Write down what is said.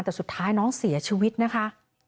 แต่สุดท้ายน้องเสียชีวิตนะคะ